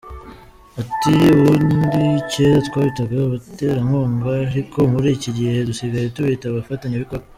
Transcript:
Ati « Ubundi cyera twabitaga abaterankunga, ariko muri iki gihe dusigaye tubita abafatanyabikorwa.